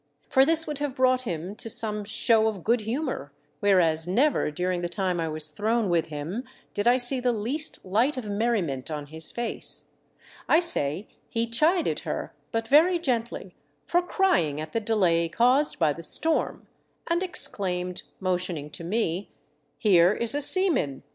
For this would have brought him to some show of good humour, whereas never during the time I was thrown with him did I see the least light of merriment on his face; I say, he chided her, but very gently, for crying at the delay caused by the storm, and exclaimed, motioning to me, " Here is a seaman.